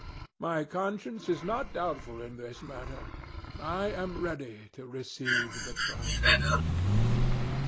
My conscience is not doubtful in this matter. I am ready to receive the trust."